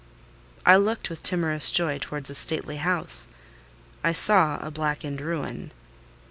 I looked with timorous joy towards a stately house: I saw a blackened ruin.